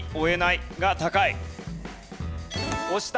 押した。